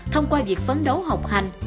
thông qua việc phấn đấu học hành